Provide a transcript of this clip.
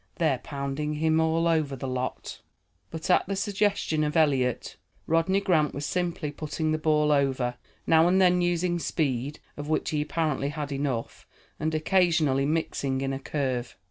They're pounding him all over the lot." But, at the suggestion of Eliot, Rodney Grant was simply putting the ball over, now and then using speed, of which he apparently had enough, and occasionally mixing in a curve.